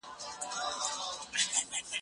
کتابتون د مور له خوا پاکيږي،